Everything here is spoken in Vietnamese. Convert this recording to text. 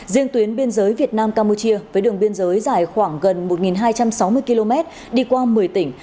riêng tuyến biên giới việt nam campuchia với đường biên giới dài khoảng gần một hai trăm sáu mươi km đi qua một mươi tỉnh